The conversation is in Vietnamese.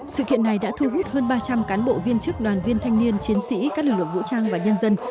sự kiện này đã thu hút hơn ba trăm linh cán bộ viên chức đoàn viên thanh niên chiến sĩ các lực lượng vũ trang và nhân dân